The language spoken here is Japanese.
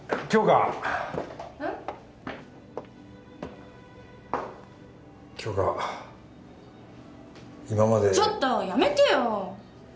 杏花今までちょっとやめてよ！